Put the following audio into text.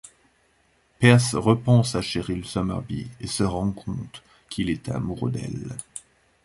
Persse repense à Cheryl Summerbee et se rend compte qu'il est amoureux d'elle.